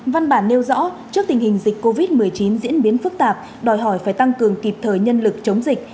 văn bản nêu rõ trước tình hình dịch covid một mươi chín diễn biến phức tạp đòi hỏi phải tăng cường kịp thời nhân lực chống dịch